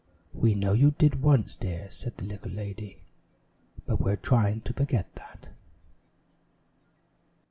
"We know you did once, dear," said the little lady; "but we're trying to forget that."